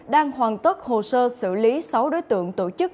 đang hoàn tất hồ sơ xử lý sáu đối tượng tổ chức